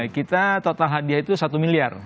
kita total hadiah itu satu miliar